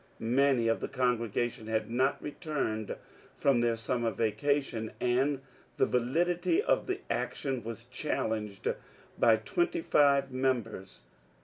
Manj of the congregation had not returned from their summer vacation, and the validity of the action was challenged by twenty five members.